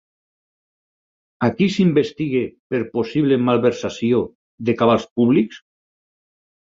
A qui s'investiga per possible malversació de cabals públics?